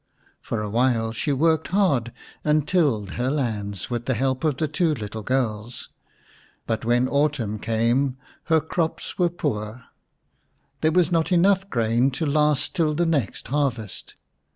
For a while she worked hard, and tilled her lands with the help of the two little girls, but when 151 The Reward of Industry xni autumn came her crops were poor. There was not enough grain to last till the next harvest.